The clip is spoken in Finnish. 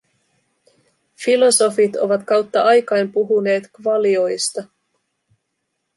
Filosofit ovat kautta aikain puhuneet kvalioista.